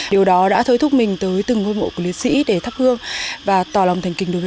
điều đó đã thối thúc mình tới từng ngôi mộ